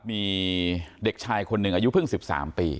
มีเด็กชายคนหนึ่งอายุเพิ่ง๑๓ปี